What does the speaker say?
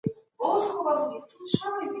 قومي مشران بهر ته د سفر ازادي نه لري.